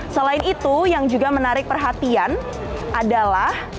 selain itu yang juga menarik perhatian adalah